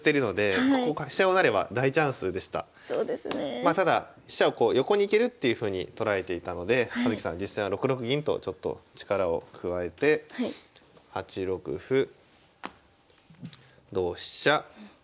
まあただ飛車を横に行けるっていうふうに捉えていたので葉月さん実戦は６六銀とちょっと力を加えて８六歩同飛車。